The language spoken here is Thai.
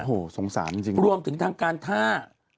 โอ้โหสงสารจริงรวมถึงทางการท่า